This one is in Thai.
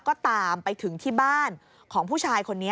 ก็ตามไปถึงที่บ้านของผู้ชายคนนี้